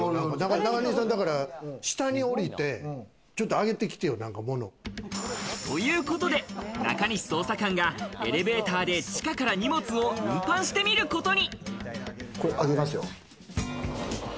中西さん、下に降りてちょっと上げてきてよ、何か物を。ということで中西捜査官がエレベーターで地下から荷物を運搬してみることに！